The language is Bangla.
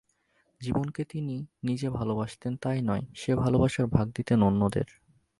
জীবনকে তিনি নিজে ভালোবাসতেন তা-ই নয়, সেই ভালোবাসার ভাগ দিতেন অন্যদের।